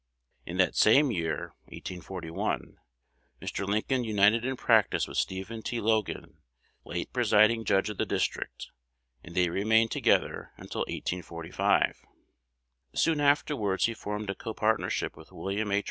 In that same year (1841), Mr. Lincoln united in practice with Stephen T. Logan, late presiding judge of the district, and they remained together until 1845. Soon afterwards he formed a copartnership with William H.